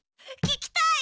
聞きたい！